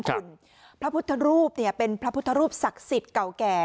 คุณพระพุทธรูปเป็นพระพุทธรูปศักดิ์สิทธิ์เก่าแก่